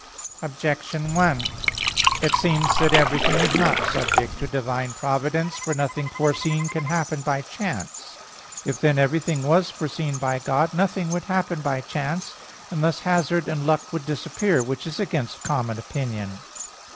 Objection 1: It seems that everything is not subject to divine providence. For nothing foreseen can happen by chance. If then everything was foreseen by God, nothing would happen by chance. And thus hazard and luck would disappear; which is against common opinion.